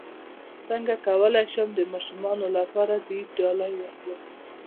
څنګه کولی شم د ماشومانو لپاره د عید ډالۍ واخلم